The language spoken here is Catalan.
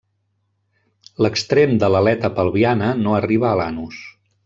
L'extrem de l'aleta pelviana no arriba a l'anus.